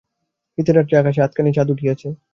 শীতের রাত্রি, আকাশে আধখানি চাঁদ উঠিয়াছে।